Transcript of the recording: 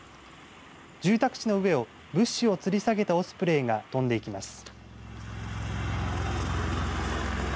住宅地の上を物資をつり下げたオスプレイが飛んでいきます。